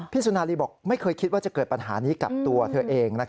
สุนารีบอกไม่เคยคิดว่าจะเกิดปัญหานี้กับตัวเธอเอง